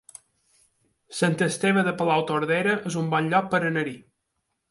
Sant Esteve de Palautordera es un bon lloc per anar-hi